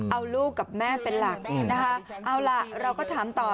เอาลูกกับแม่เป็นหลักนะคะเอาล่ะเราก็ถามต่อ